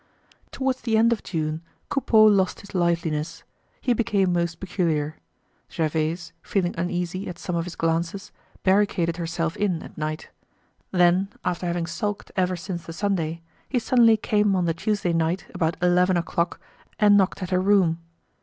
Towards the end of June, Coupeau lost his liveliness. He became most peculiar. Gervaise, feeling uneasy at some of his glances, barricaded herself in at night. Then, after having sulked ever since the Sunday, he suddenly came on the Tuesday night about eleven o'clock and knocked at her room.